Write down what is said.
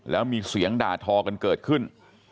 แล้วมีเสียงด่าทอกันเกิดขึ้น